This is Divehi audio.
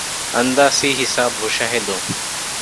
އަންދާސީ ހިސާބު ހުށަހެލުން